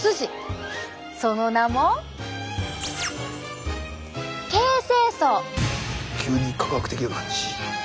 その名も急に科学的な感じ。